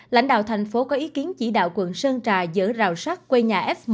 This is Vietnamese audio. lãnh đạo tp có ý kiến chỉ đạo quận sơn trà giỡn rào sát quê nhà f một